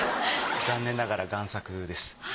残念ながらがん作です。